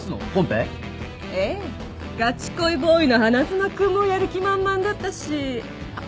がち恋ボーイの花妻君もやる気満々だったしあっ